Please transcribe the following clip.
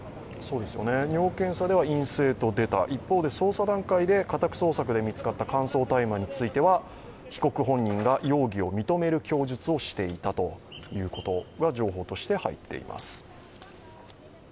尿検査では陰性と出た、一方で捜査段階で家宅捜索で見つかった乾燥大麻については被告本人が容疑を認める供述をしていたということが情報として入っています。